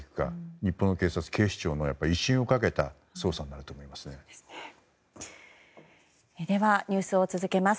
日本の警察、警視庁の威信をかけた捜査になります。